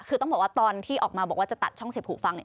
คือต้องบอกว่าตอนที่ออกมาบอกว่าจะตัดช่องเสียบหูฟังเนี่ย